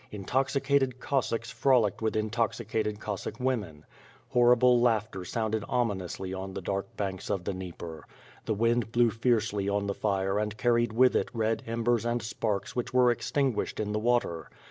Intoxicated Cossacks frolicked with intoxicated Cossaek women. Hor rible laughter sounded ominously on the dark banks of the Dnieper. The wind blew fiercely on the fire and carried with it red embers and sparks which were extinguished in the water.